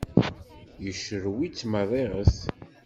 Yecrew-itt merriɣet!